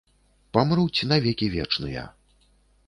Памруць на векі вечныя!